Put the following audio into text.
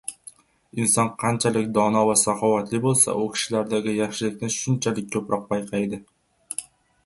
Inson qanchalik dono va saxovatli bo‘lsa, u kishilardagi yaxshilikni shunchalik ko‘proq payqaydi.